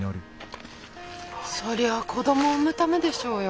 そりゃあ子供産むためでしょうよ。